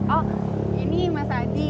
oh ini mas adi